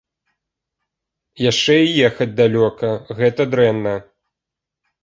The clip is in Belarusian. Яшчэ і ехаць далёка, гэта дрэнна.